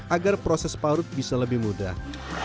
agar proses parut bisa lebih mudah